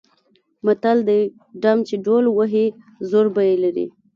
متل دی: ډم چې ډول وهي زور به یې لري.